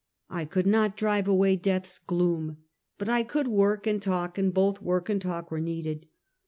I could not drive away death's gloom; but I could work and talk, and both work and talk were needed.